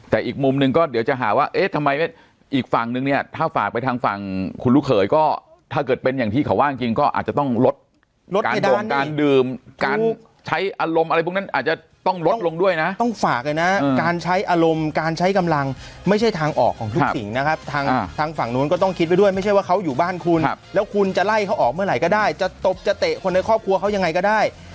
แต่อีกมุมหนึ่งก็เดี๋ยวจะหาว่าทำไมทำไมอีกฝั่งนึงเนี่ยถ้าฝากไปทางฝั่งคุณลูกเขยก็ถ้าเกิดเป็นอย่างที่เขาว่าจริงอาจจะต้องลด